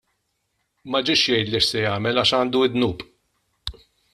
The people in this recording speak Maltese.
Ma ġiex jgħidli x'se jagħmel għax għandu d-dnub.